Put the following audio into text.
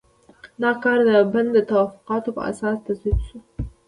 دا کار د بن د توافقاتو په اساس تصویب شو.